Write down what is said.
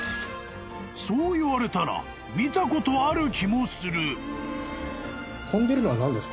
［そう言われたら見たことある気もする］